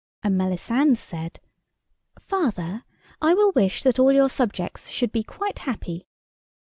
And Melisande said: "Father, I will wish that all your subjects should be quite happy."